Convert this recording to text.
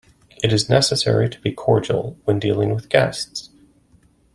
It is necessary to be cordial when dealing with guests.